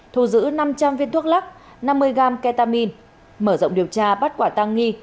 thu giữ năm trăm linh viên thuốc lắc năm mươi gram ketamin mở rộng điều tra bắt quả tăng nghi